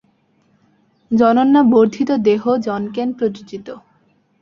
জনন্যা বর্ধিতো দেহো জনকেন প্রযোজিতঃ।